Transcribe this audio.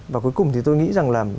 và cuối cùng thì tôi nghĩ rằng là